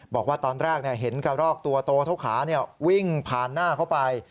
บอกว่าตอนแรกเห็นกระรอกตัวโตเท่าขาวิ่งผ่านหน้าเขาไป